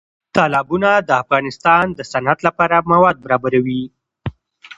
تالابونه د افغانستان د صنعت لپاره مواد برابروي.